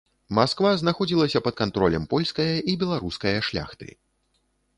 Масква знаходзілася пад кантролем польскае і беларускае шляхты.